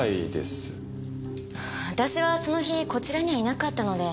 私はその日こちらにはいなかったので。